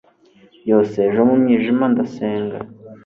Yoo si ejo mu mwijima ndasenga